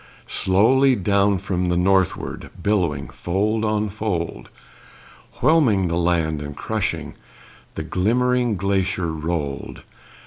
Slowly down from the northward, Billowing fold on fold, Whelming the land and crushing, The glimmering glacier rolled.